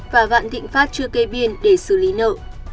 và vạn thịnh pháp chưa kê biên để xử lý nợ